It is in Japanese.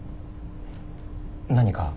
何か？